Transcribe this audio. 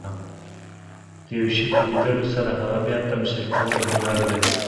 د یو شي په لیدلو سره هغه بیا تمثیل کول، هنر دئ.